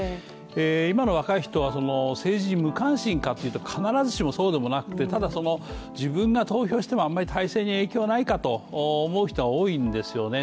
今の若い人は政治に無関心かというと必ずしも、そうではなくてただ、自分が投票してもあんまり大勢に影響ないと思う人が多いんですよね。